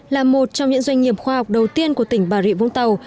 là một trong những doanh nghiệp khoa học đầu tiên của tỉnh bà rịa vũng tàu